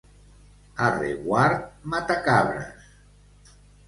A Reguard, matacabres.